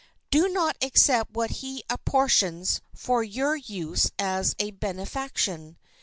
Do not accept what he apportions for your use as a benefaction.